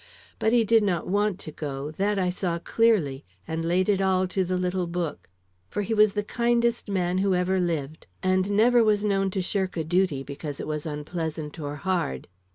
But he did not want to go; that I saw clearly, and laid it all to the little book; for he was the kindest man who ever lived, and never was known to shirk a duty because it was unpleasant or hard.